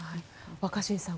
若新さん